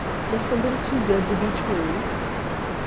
just a little too good to be true?